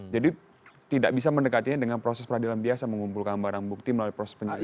jadi tidak bisa mendekatinya dengan proses peradilan biasa mengumpulkan barang bukti melalui proses penyelidikan